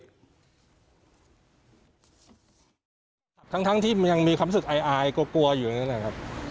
ทั้งที่มันยังมีความรู้สึกอายกลัวอยู่นะครับ